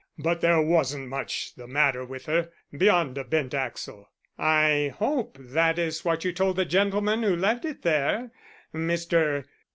"But there wasn't much the matter with her, beyond a bent axle." "I hope that is what you told the gentleman who left it there Mr.